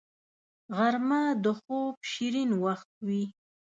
غرمه د خوب شیرین وخت وي